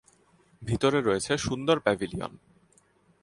ভিতরে রয়েছে সুন্দর প্যাভিলিয়ন।